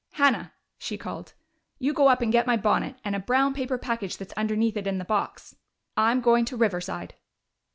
"Hannah!" she called. "You go up and get my bonnet, and a brown paper package that's underneath it in the box. I'm going to Riverside."